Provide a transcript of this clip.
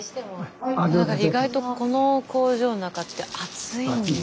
意外とこの工場の中って暑いんですね。